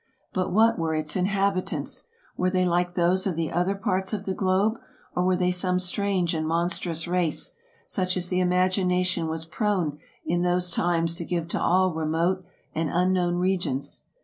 But what were its inhabitants ? Were they like those of the other parts of the globe; or were they some strange and monstrous race, such as the imagination was prone in those times to give to all remote and unknown regions